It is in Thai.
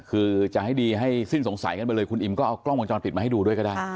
คือจะให้ดีให้สิ้นสงสัยกันไปเลยคุณอิมก็เอากล้องวงจรปิดมาให้ดูด้วยก็ได้